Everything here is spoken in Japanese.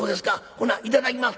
ほないただきます。